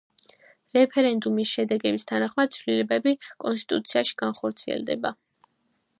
რეფერენდუმის შედეგების თანახმად ცვლილებები კონსტიტუციაში განხორციელდება.